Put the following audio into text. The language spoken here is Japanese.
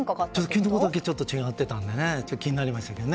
昨日だけちょっと違ってたので気になりました。